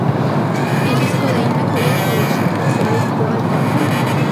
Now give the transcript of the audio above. El disco "The Immaculate Collection" se lo dedicó al Papa.